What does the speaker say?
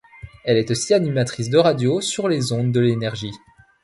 Elle est aussi animatrice de radio sur les ondes de Énergie.